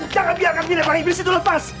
jangan biarkan bila bila banyin situ lepas